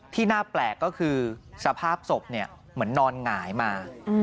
ที่น่าแปลกก็คือสภาพศพเหมือนนอนหงายมา